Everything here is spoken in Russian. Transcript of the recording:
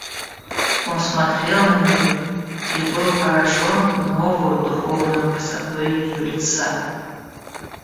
Он смотрел на нее и был поражен новою духовною красотой ее лица.